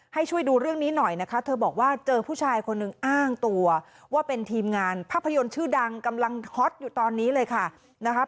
ให้ช่วยดูเรื่องนี้หน่อยนะคะเธอบอกว่าเจอผู้ชายคนหนึ่งอ้างตัวว่าเป็นทีมงานภาพยนตร์ชื่อดังกำลังฮอตอยู่ตอนนี้เลยค่ะนะครับ